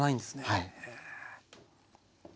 はい。